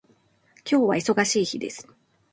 今日は忙しい日です。